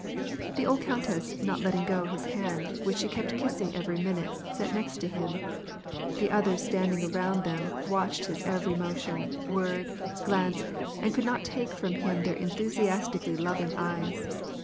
The old countess not letting go his hand, which she kept kissing every minute, sat next him. The others standing around them watched his every motion, word, glance, and could not take from him their enthusiastically loving eyes.